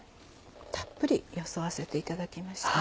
たっぷりよそわせていただきました。